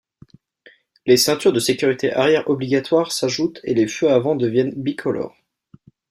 Les ceintures de sécurité arrière obligatoires s'ajoutent et les feux avant deviennent bicolores.